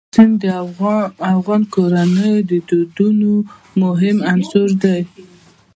آمو سیند د افغان کورنیو د دودونو مهم عنصر دی.